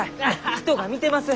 人が見てます！